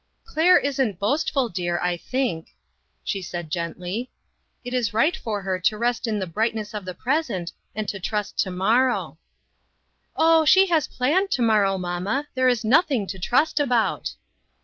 " Claire isn't boastful, dear, I think," she said gently. " It is right for her to rest in the brightness of the present and to trust to morrow." " Oh, she has planned to morrow, mamma ; there is nothing to trust about."